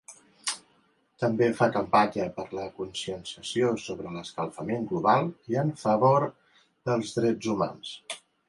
També fa campanya per la conscienciació sobre l'escalfament global i en favor dels drets humans.